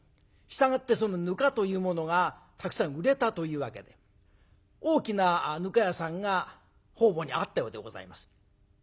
従ってぬかというものがたくさん売れたというわけで大きなぬか屋さんが方々にあったようでございます。